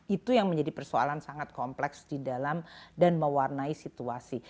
itu yang menjadi persoalan sangat kompleks di dalam dan mewarnai situasi